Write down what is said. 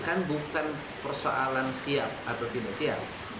kan bukan persoalan siap atau tidak siap